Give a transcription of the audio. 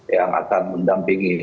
yang akan mendampingi